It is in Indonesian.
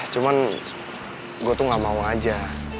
cuman gue tuh gak mau aja